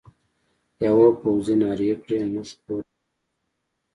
یوه پوځي نارې کړې: موږ کورونو ته ځو.